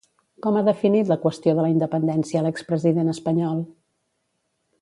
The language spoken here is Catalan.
Com ha definit la qüestió de la independència l'expresident espanyol?